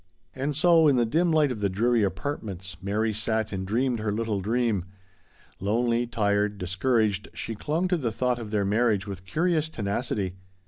And so, in the dim light of the dreary " apartments," Mary sat and dreamed her little dream. Lonely, tired, discouraged, she clung to the thought of their marriage with curious tenacity.